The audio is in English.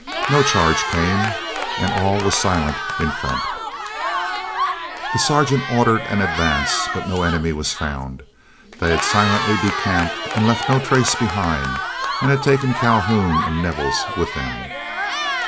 No charge came, and all was silent in front. The Sergeant ordered an advance, but no enemy was found. They had silently decamped and left no trace behind, and had taken Calhoun and Nevels with them.